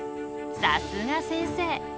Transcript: さすが先生。